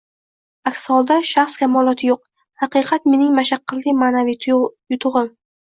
Aks holda shaxs kamoloti yo’q. Haqiqat – mening mashaqqatli ma’naviy yutug’im